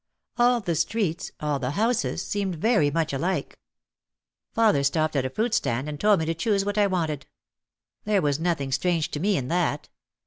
All the streets, all the houses, seemed so very much alike. Father stopped at a fruitstand and told me to choose what I wanted. There was nothing strange to me in that.